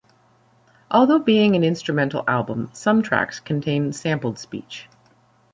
Although being an instrumental album, some tracks contain sampled speech.